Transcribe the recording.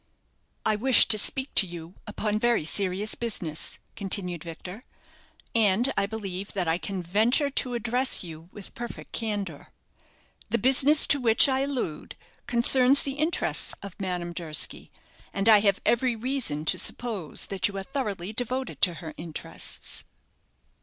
"I wish to speak to you upon very serious business," continued Victor, "and I believe that I can venture to address you with perfect candour. The business to which I allude concerns the interests of Madame Durski, and I have every reason to suppose that you are thoroughly devoted to her interests."